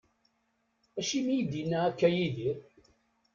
Acimi i d-yenna akka Yidir?